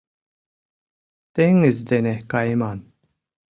Теҥыз дене кайыман.